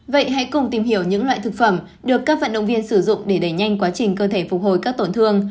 vậy hãy cùng tìm hiểu những loại thực phẩm được các vận động viên sử dụng để đẩy nhanh quá trình cơ thể phục hồi các tổn thương